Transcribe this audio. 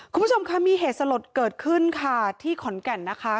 คุณผู้ชมคะมีเหตุสลดเกิดขึ้นค่ะที่ขอนแก่นนะคะ